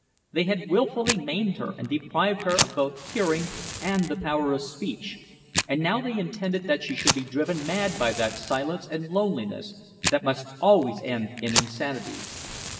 They had willfully maimed her and deprived her of both hearing and the power of speech, and now they intended that she should be driven mad by that silence and loneliness that must always end in insanity.